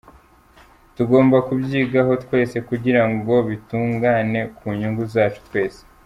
Tugomba kubyigaho twese kugira ngo bitungane ku nyungu zacu twese”.